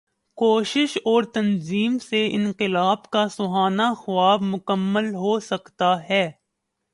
کوشش اور تنظیم سے انقلاب کا سہانا خواب مکمل ہو سکتا ہے۔